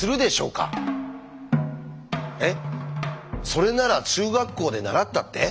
それなら中学校で習ったって？